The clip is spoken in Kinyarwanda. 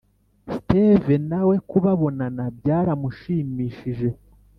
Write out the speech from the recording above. steve nawe kubabonana byaramushimishije